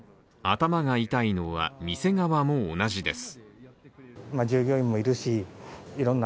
頭が痛いのは、店側も同じです。